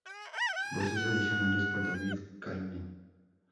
Voces adicionales por David Kaye.